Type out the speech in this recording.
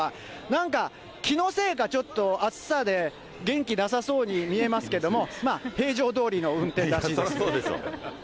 なんか気のせいか、ちょっと暑さで元気なさそうに見えますけども、平常どおりの運転らしいです。